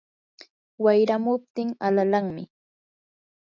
wayramuptin alalanmi.